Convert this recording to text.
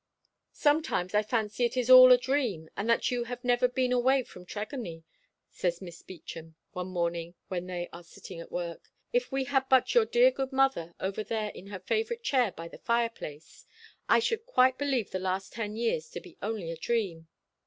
"Sometimes I fancy it is all a dream, and that you have never been away from Tregony," says Miss Beauchamp, one morning when they are sitting at work. "If we had but your dear good mother over there in her favourite, chair by the fireplace, I should quite believe the last ten years to be only a dream.